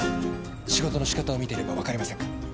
仕事のしかたを見てれば分かりませんか？